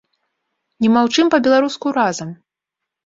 Не маўчым па-беларуску разам!